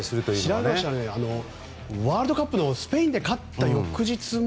調べましたらワールドカップのスペインで勝った翌日も